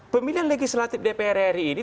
pemilihan legislatif dprd ini